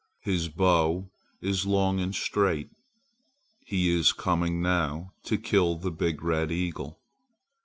His bow is long and strong. He is coming now to kill the big red eagle."